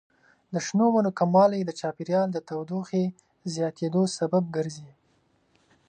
د شنو ونو کموالی د چاپیریال د تودوخې زیاتیدو سبب ګرځي.